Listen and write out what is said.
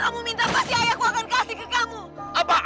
aku mencintai dia